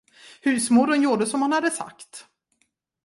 Husmodern gjorde som hon hade sagt.